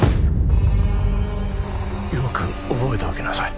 よく覚えておきなさい